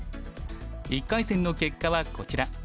１回戦の結果はこちら。